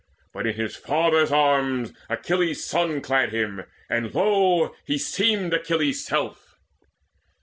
But in his father's arms Achilles' son Clad him and lo, he seemed Achilles' self!